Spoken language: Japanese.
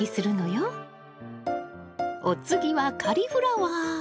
お次はカリフラワー！